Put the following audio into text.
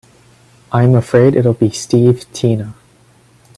I'm afraid it'll be Steve Tina.